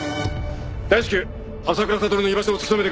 大至急浅倉悟の居場所を突き止めてください。